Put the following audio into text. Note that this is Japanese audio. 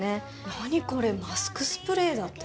何これマスクスプレーだって。